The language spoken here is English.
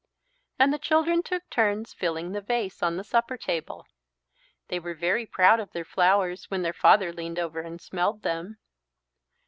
And the children took turns filling the vase on the supper table. They were very proud of their flowers when their father leaned over and smelled them.